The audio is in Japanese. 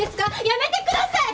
やめてください！